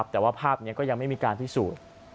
แต่ว่าภาพนี้ก็ยังไม่มีการพิสูจน์